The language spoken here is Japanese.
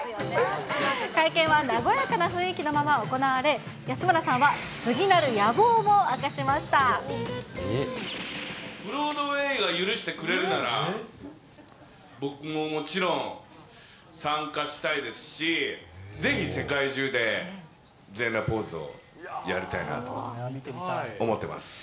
会見は和やかな雰囲気のまま行われ、安村さんは、ブロードウェイが許してくれるなら、僕ももちろん、参加したいですし、ぜひ世界中で、全裸ポーズをやりたいなと思ってます。